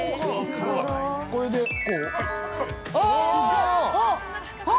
◆これで、こう？